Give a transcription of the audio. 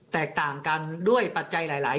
แตกต่างกันด้วยปัจจัยหลาย